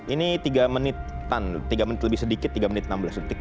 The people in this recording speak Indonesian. ini tiga menitan tiga menit lebih sedikit tiga menit enam belas detik